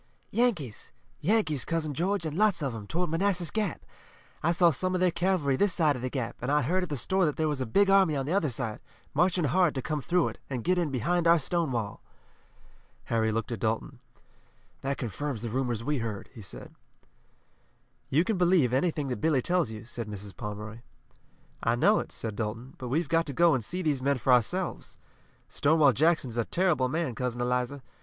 "Yankees! Yankees, Cousin George, and lots of 'em, toward Manassas Gap! I saw some of their cavalry this side of the Gap, and I heard at the store that there was a big army on the other side, marching hard to come through it, and get in behind our Stonewall." Harry looked at Dalton. "That confirms the rumors we heard," he said. "You can believe anything that Billy tells you," said Mrs. Pomeroy. "I know it," said Dalton, "but we've got to go on and see these men for ourselves. Stonewall Jackson is a terrible man, Cousin Eliza.